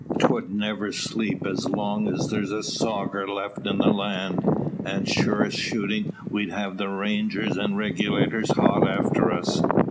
'Twould never sleep as long's there's a soger left in the land; and sure as shootin' we'd have the Rangers and Regulators hot after us.